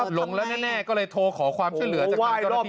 หลงแล้วแน่ก็เลยโทรขอความชื่อเหลือจากคุณพี่